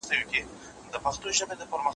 که ازادي مسؤلانه وکارول شي، ګډوډي نه جوړېږي.